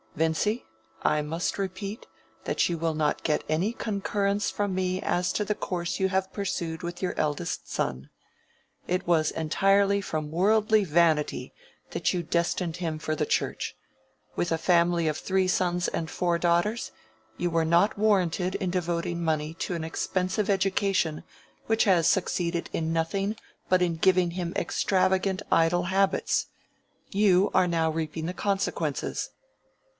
"Vincy, I must repeat, that you will not get any concurrence from me as to the course you have pursued with your eldest son. It was entirely from worldly vanity that you destined him for the Church: with a family of three sons and four daughters, you were not warranted in devoting money to an expensive education which has succeeded in nothing but in giving him extravagant idle habits. You are now reaping the consequences."